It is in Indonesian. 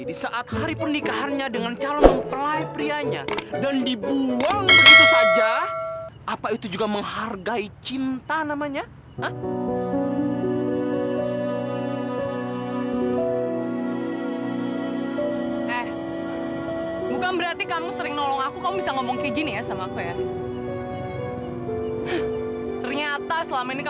itu mobil butut kamu kamu masuk sana